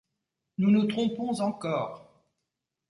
Nous nous trompons encore !